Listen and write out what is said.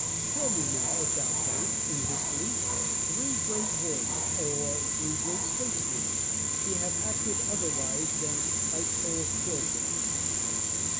Show me now, if thou canst, in history, three great warriors, or three great statesmen, who have acted otherwise than spiteful children.